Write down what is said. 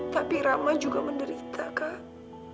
tapi rama juga menderita kan